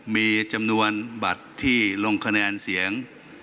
มีจำนวนบัตรที่ลงคะแนนเสียง